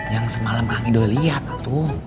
yang semalam kang idoi liat